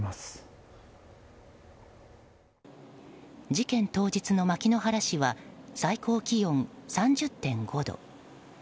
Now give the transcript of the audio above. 事件当日の牧之原市は最高気温３０．５度。